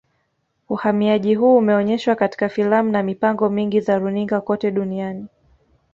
Uhamiaji huu umeonyeshwa katika filamu na mipango mingi za runinga kote duniani